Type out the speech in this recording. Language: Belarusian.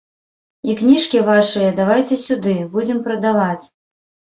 І кніжкі вашыя давайце сюды, будзем прадаваць.